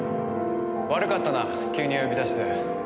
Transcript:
悪かったな急に呼び出して。